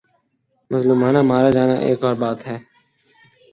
مظلومانہ مارا جانا ایک اور بات ہے۔